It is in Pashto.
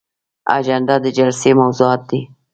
اجنډا د جلسې موضوعات دي